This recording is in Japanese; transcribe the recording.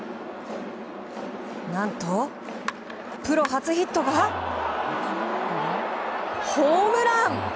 何と、プロ初ヒットがホームラン！